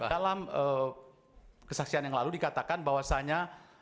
dalam kesaksian yang lalu dikatakan bahwasannya